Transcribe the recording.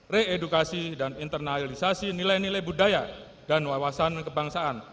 re edukasi dan internalisasi nilai nilai budaya dan wawasan kebangsaan